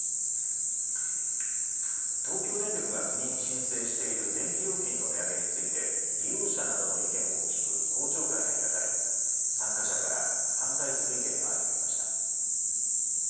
東京電力が国に申請している電気料金の値上げについて利用者などの意見を聞く公聴会が開かれ参加者から反対する意見が相次ぎました。